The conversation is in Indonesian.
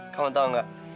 kamu tahu nggak